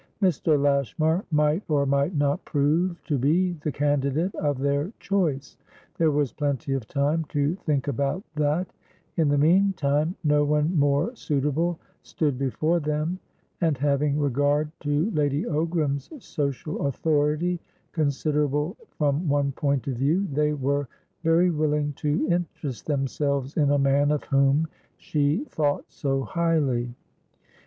Mr. Lashmar might or might not prove to be the candidate of their choice; there was plenty of time to think about that; in the meantime, no one more suitable stood before them, and, having regard to Lady Ogram's social authority, considerable from one point of view, they were very willing to interest themselves in a man of whom she thought so highly.